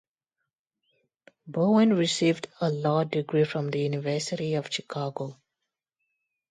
Bowen received a law degree from the University of Chicago.